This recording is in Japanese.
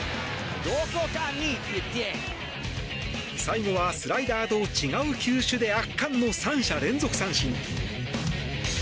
最後はスライダーと違う球種で圧巻の３者連続三振。